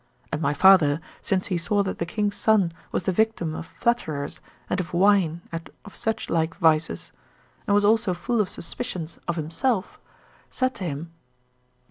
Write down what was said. And my father, since he saw that the king's son was the victim of flatterers and of wine and of such like vices, and: was also full:of suspicions of himself, said to 199 CAP.